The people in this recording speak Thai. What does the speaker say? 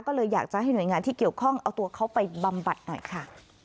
ก็เลยอยากจะให้หน่วยงานที่เกี่ยวข้องเอาตัวเขาไปบำบัดหน่อยค่ะ